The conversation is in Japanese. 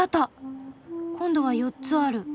・今度は４つある。